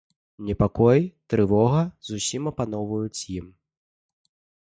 Непакой, трывога зусім апаноўваюць ім.